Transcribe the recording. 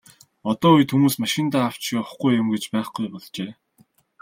Одоо үед хүмүүс машиндаа авч явахгүй юм гэж байхгүй болжээ.